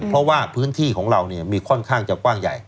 เพราะว่าพื้นที่ของเรามีค่อนข้างจะกว้างใหญ่